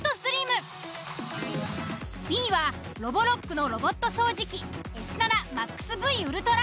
Ｂは「ロボロック」のロボット掃除機。